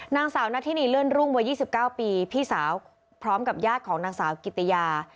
นางสาวนาธินีเลื่อนรุ่งวัย๒๙ปีพี่สาวพร้อมกับญาติของนางสาวกิติยา